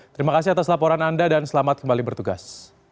terima kasih atas laporan anda dan selamat kembali bertugas